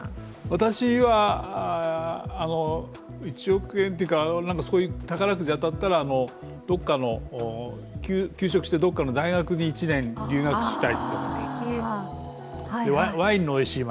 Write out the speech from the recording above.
私は、１億円というかそういう宝くじ当たったら、休職してどっかの大学に入学したい。